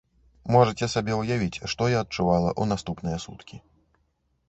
Можаце сабе ўявіць, што я адчувала ў наступныя суткі.